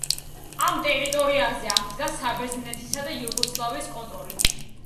ამ ტერიტორიაზე აღდგა საბერძნეთისა და იუგოსლავიის კონტროლი.